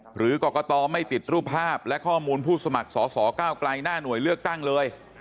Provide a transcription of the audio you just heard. หรือกรกตไม่ติดรูปภาพและข้อมูลผู้สมัครสอสอก้าวไกลหน้าหน่วยเลือกตั้งเลย